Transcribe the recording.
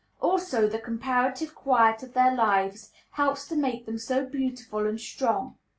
Also the comparative quiet of their lives helps to make them so beautiful and strong.